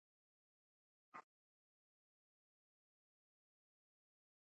یووالی قوت دی.